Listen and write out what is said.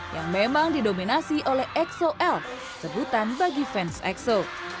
yang memang didominasi oleh exo l sebutan bagi fans exo